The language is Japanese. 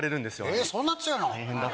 えっそんな強いの？